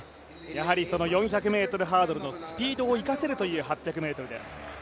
やはりその４００ｍハードルのスピードを生かせるという８００ｍです。